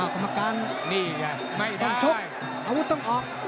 กรรมการต้องชกอาวุธต้องออก